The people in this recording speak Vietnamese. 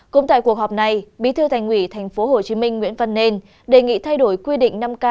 cũng tại cuộc họp này bí thư thành ủy tp hcm nguyễn văn nên đề nghị thay đổi quy định năm k